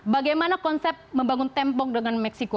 bagaimana konsep membangun tembok dengan meksiko